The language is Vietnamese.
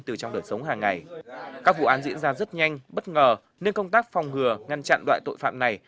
từ trong đời sống hàng ngày các vụ án diễn ra rất nhanh bất ngờ nên công tác phòng ngừa ngăn chặn loại tội phạm này